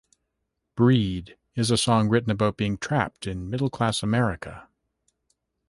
"Breed" is a song written about being trapped in middle-class America.